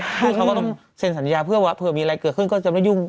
ซึ่งเขาก็ต้องเซ็นสัญญาเพื่อว่าเผื่อมีอะไรเกิดขึ้นก็จะไม่ยุ่ง